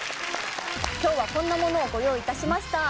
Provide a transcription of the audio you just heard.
今日はこんなものをご用意致しました。